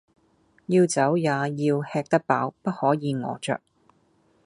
要走也要吃得飽，不可以餓著